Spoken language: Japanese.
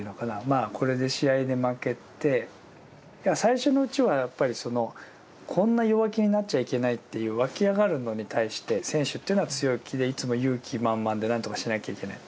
まあこれで試合で負けて最初のうちはやっぱりそのこんな弱気になっちゃいけないっていう湧き上がるのに対して選手っていうのは強気でいつも勇気満々で何とかしなきゃいけない。